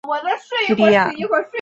蒂蒂雅。